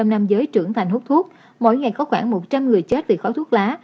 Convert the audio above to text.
một trăm năm giới trưởng thành hút thuốc mỗi ngày có khoảng một trăm linh người chết vì khói thuốc lá